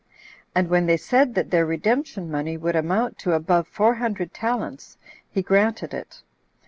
And when they said that their redemption money would amount to above four hundred talents, he granted it.